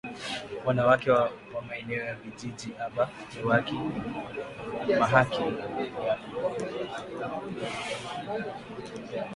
Wanawake wa maeneo ya vijiji aba yuwaki ma haki yabo